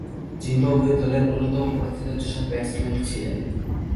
Zimbabwe দলের অন্যতম প্রথিতযশা ব্যাটসম্যান ছিলেন।